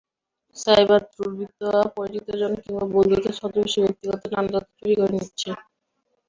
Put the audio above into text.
Cyber দুর্বৃত্তরা পরিচিতজন কিংবা বন্ধুত্বের ছদ্মবেশে ব্যক্তিগত নানা তথ্য চুরি করে নিচ্ছে।